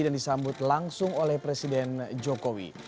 dan disambut langsung oleh presiden jokowi